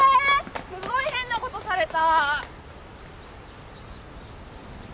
すごい変なことされた。